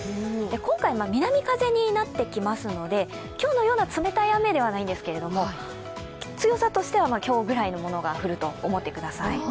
今回、南風になってきますので今日のような冷たい雨ではないんですけど、強さとしては今日ぐらいのものが降ると思ってください。